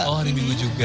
oh di minggu juga